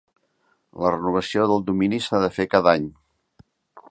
La renovació del domini s'ha de fer cada any.